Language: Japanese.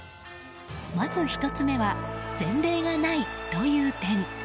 まず１つ目は前例がないという点。